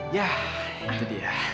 yah itu dia